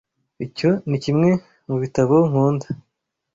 Icyo ni kimwe mu bitabo nkunda.